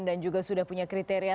dan juga sudah punya kriteria